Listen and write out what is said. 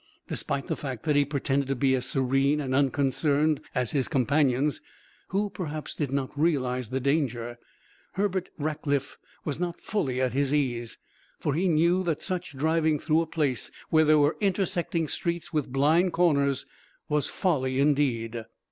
Despite the fact that he pretended to be as serene and unconcerned as his companions, who, perhaps, did not realize the danger, Herbert Rackliff was not fully at his ease; for he knew that such driving through a place where there were intersecting streets with blind corners was folly indeed.